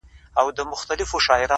پر ټول جهان دا ټپه پورته ښه ده.